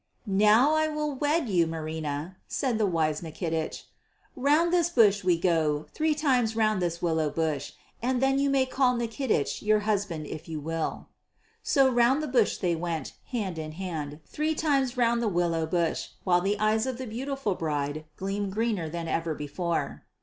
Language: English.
"Now I will wed you, Marina," said the wise Nikitich. "Round this bush we go, three times round this willow bush, and then you may call Nikitich your husband if you will." So round the bush they went, hand in hand, three times round the willow bush, while the eyes of the beautiful bride gleamed greener than ever before.